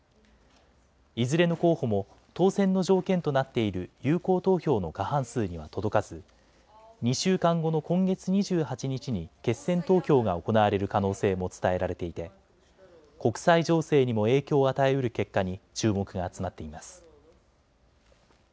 いずれの候補も当選の条件となっている有効投票の過半数には届かず２週間後の今月２８日に決選投票が行われる可能性も伝えられていて国際情勢にも影響を与えうる結果に注目が集まっています。